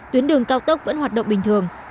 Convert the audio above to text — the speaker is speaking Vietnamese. tuyến đường cao tốc vẫn hoạt động bình thường